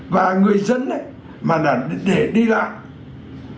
và người dân mà để đi lại